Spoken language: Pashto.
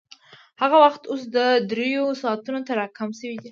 هغه وخت اوس درېیو ساعتونو ته راکم شوی دی